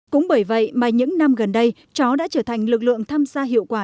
cũng bởi vậy mà những năm gần đây chó đã trở thành lực lượng tham gia hiệu quả